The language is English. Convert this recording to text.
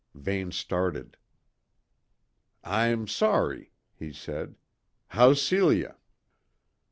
Vane started. "I'm sorry," he said. "How's Celia?"